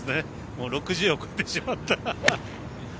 もう６０を超えてしまったら。